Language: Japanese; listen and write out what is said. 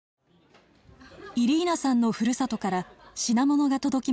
イリーナさんのふるさとから品物が届きました。